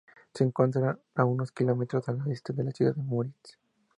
Se encuentra a unos dos kilómetros al este de la ciudad de Müritz.